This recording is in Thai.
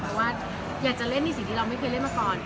เพราะว่าอยากจะเล่นในสิ่งที่เราไม่เคยเล่นมาก่อน